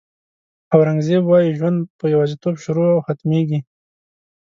اورنګزېب وایي ژوند په یوازېتوب شروع او ختمېږي.